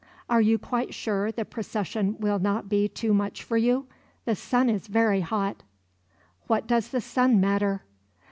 "Are you quite sure the procession will not be too much for you? The sun is very hot." "What does the sun matter?"